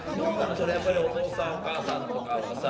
そりゃやっぱりお父さんお母さんとかはさ